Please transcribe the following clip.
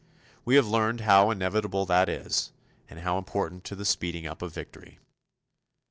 We have learned how inevitable that is and how important to the speeding up of victory.